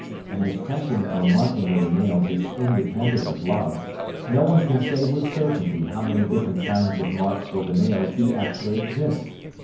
And as pressing or marking with the nails is independent of love, no one can say with certainty how many different kinds of marks with the nails do actually exist.